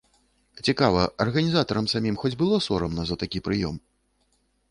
Цікава, арганізатарам самім хоць было сорамна за такі прыём?